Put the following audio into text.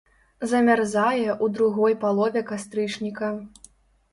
Замярзае ў другой палове кастрычніка.